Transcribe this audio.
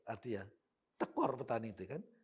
artinya tekor petani itu kan